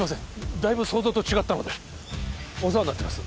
だいぶ想像と違ったのでお世話になってます